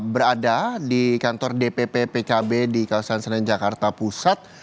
berada di kantor dpp pkb di kawasan senen jakarta pusat